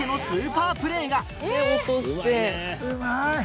うまいね！